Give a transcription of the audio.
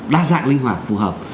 đa dạng linh hoạt phù hợp